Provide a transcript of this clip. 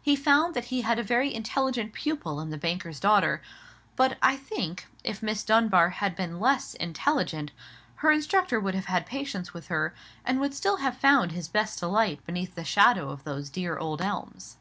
He found that he had a very intelligent pupil in the banker's daughter: but I think, if Miss Dunbar had been less intelligent, her instructor would have had patience with her, and would have still found his best delight beneath the shadow of those dear old elms.